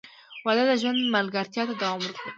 • واده د ژوند ملګرتیا ته دوام ورکوي.